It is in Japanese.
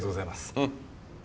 うん。